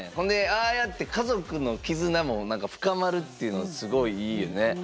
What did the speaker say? でああやって家族の絆も深まるっていうのすごいいいよね。